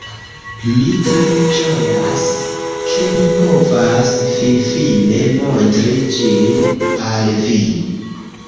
Mi tre ĝojas, ke mi povas finfine montri ĝin al vi